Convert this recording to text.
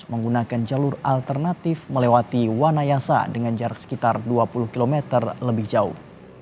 menggunakan jalur alternatif melewati wanayasa dengan jarak sekitar dua puluh km lebih jauh